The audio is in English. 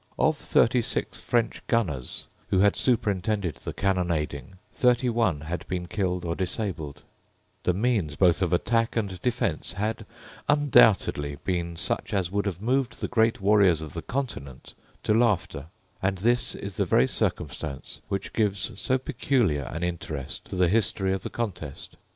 Of thirty six French gunners who had superintended the cannonading, thirty one had been killed or disabled, The means both of attack and of defence had undoubtedly been such as would have moved the great warriors of the Continent to laughter; and this is the very circumstance which gives so peculiar an interest to the history of the contest.